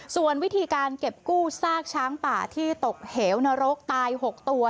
ส่วนวิธีการเก็บกู้ซากช้างป่าที่ตกเหวนรกตาย๖ตัว